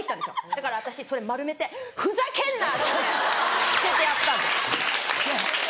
だから私それ丸めて「ふざけんな！」っつって捨ててやったんです。